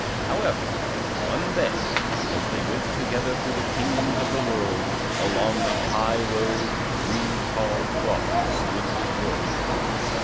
However, one day, as they went together through the kingdoms of the world, along the high road three tall crosses stood before them.